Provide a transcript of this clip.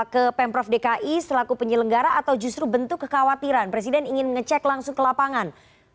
ke pemprov dki selaku penyelenggara atau justru bentuk kekhawatiran presiden ingin ngecek langsung ke lapangan